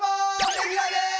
レギュラーです！